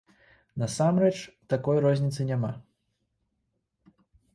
Насамрэч, такой розніцы няма.